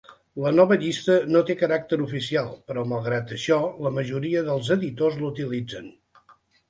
La nova llista no té caràcter oficial, però malgrat això la majoria dels editors l'utilitzen..